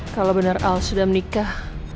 kalo bener al sudah menikah